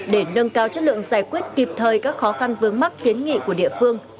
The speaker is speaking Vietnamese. để nâng cao chất lượng giải quyết kịp thời các khó khăn vướng mắt kiến nghị của địa phương